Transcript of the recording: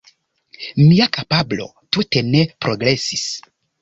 Mia kapablo tute ne progresis